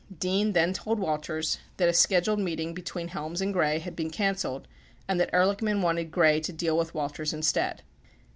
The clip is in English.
Dean then told Walters that a scheduled meeting between Helms and Gray had been cancelled and that Ehrlich man wanted Gray to deal with Walters instead.